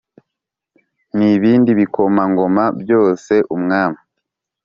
N ibindi bikomangoma byose by umwami